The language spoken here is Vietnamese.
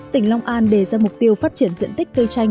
tỉnh long an đề ra mục tiêu phát triển diện tích cây chanh